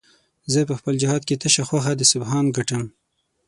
زه په خپل جهاد کې تشه خوښه د سبحان ګټم